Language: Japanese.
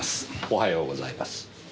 おはようございます。